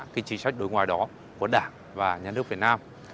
cái chính sách đối ngoại đó của đảng và nhà nước việt nam